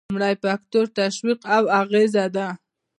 لومړی فکتور تشویق او اغیزه ده.